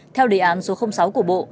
theo đề án số sáu của bộ